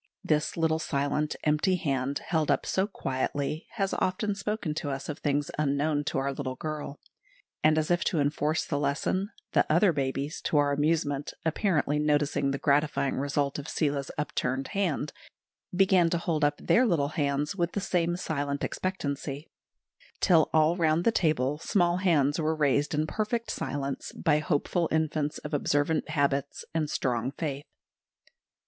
This little silent, empty hand, held up so quietly, has often spoken to us of things unknown to our little girl; and as if to enforce the lesson, the other babies, to our amusement, apparently noticing the gratifying result of Seela's upturned hand, began to hold up their little hands with the same silent expectancy, till all round the table small hands were raised in perfect silence, by hopeful infants of observant habits and strong faith.